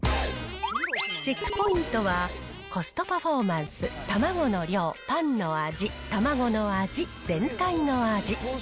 チェックポイントは、コストパフォーマンス、たまごの量、パンの味、たまごの味、全体の味。